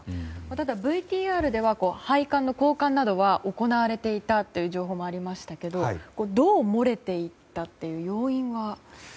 ただ、ＶＴＲでは配管の交換などは行われていたという情報もありましたがどう漏れていったという要因は？